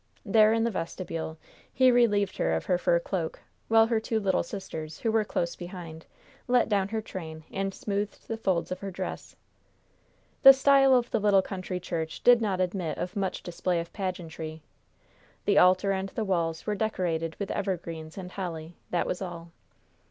There, in the vestibule, he relieved her of her fur cloak, while her two little sisters, who were close behind, let down her train and smoothed the folds of her dress. The style of the little country church did not admit of much display of pageantry. The altar and the walls were decorated with evergreens and holly. That was all.